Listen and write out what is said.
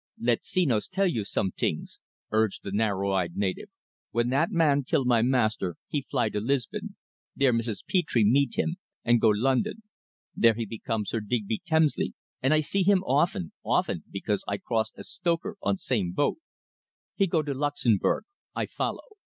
"Let Senos tell you some tings," urged the narrow eyed native. "When that man kill my master he fly to Lisbon. There Mrs. Petre meet him and go London. There he become Sir Digby Kemsley, and I see him often, often, because I crossed as stoker on same boat. He go to Luxemburg. I follow.